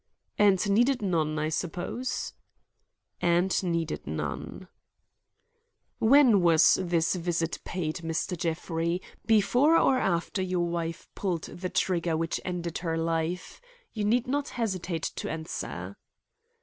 "And needed none, I suppose." "And needed none." "When was this visit paid, Mr. Jeffrey? Before or after your wife pulled the trigger which ended her life? You need not hesitate to answer."